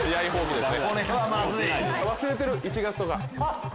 忘れてる１月とか。